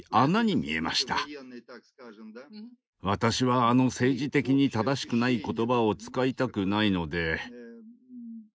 私はあの政治的に正しくない言葉を使いたくないので。